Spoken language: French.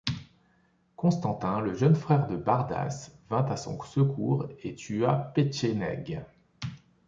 Constantin, le jeune frère de Bardas, vint à son secours et tua le Petchénègue.